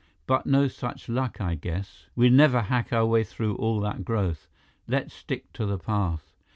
But no such luck, I guess. We'd never hack our way through all that growth. Let's stick to the path."